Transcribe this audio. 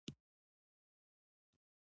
په فرانسه کې د یوه اغېزناک کس په توګه راڅرګند شو.